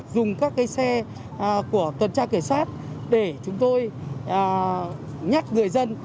dùng các xe của tuần tra kiểm soát để chúng tôi nhắc người dân